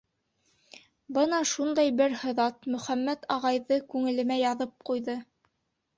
Бына шундай бер һыҙат Мөхәммәт ағайҙы күңелемә яҙып ҡуйҙы.